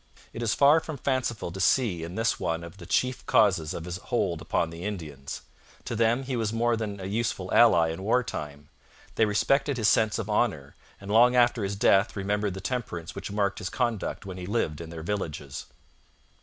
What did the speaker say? It is far from fanciful to see in this one of the chief causes of his hold upon the Indians. To them he was more than a useful ally in war time. They respected his sense of honour, and long after his death remembered the temperance which marked his conduct when he lived in their villages.